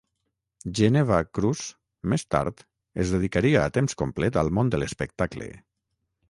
Geneva Cruz més tard es dedicaria a temps complet al món de l'espectacle.